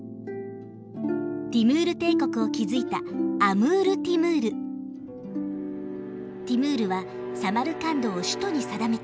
ティムール帝国を築いたティムールはサマルカンドを首都に定めた。